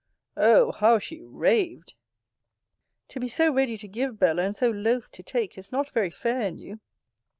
O how she raved! To be so ready to give, Bella, and so loth to take, is not very fair in you.